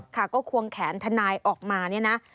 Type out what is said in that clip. ค่ะก็ควงแขนทนายออกมาเนี่ยนะ